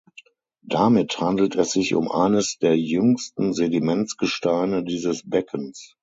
Damit handelt es sich um eines der jüngsten Sedimentgesteine dieses Beckens.